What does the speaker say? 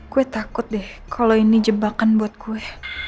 gue takut deh kalau ini jebakan buat gue